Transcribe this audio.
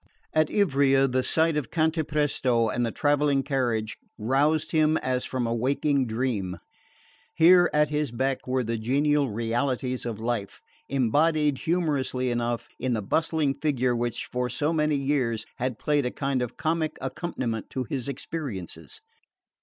At Ivrea the sight of Cantapresto and the travelling carriage roused him as from a waking dream. Here, at his beck were the genial realities of life, embodied, humorously enough, in the bustling figure which for so many years had played a kind of comic accompaniment to his experiences.